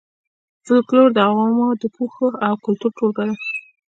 فولکلور د عوامو د پوهې او کلتور ټولګه ده